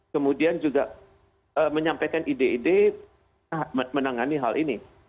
kemudian juga menyampaikan ide ide menangani hal ini